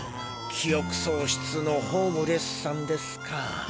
記憶喪失のホームレスさんですか。